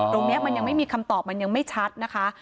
ตรงนี้มันยังไม่มีคำตอบมันยังไม่ชัดนะคะ